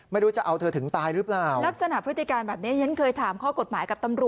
ไม่รู้จะเอาเธอถึงตายหรือเปล่า